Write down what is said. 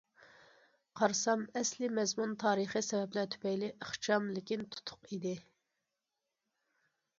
قارىسام، ئەسلىي مەزمۇن تارىخىي سەۋەبلەر تۈپەيلى ئىخچام، لېكىن تۇتۇق ئىدى.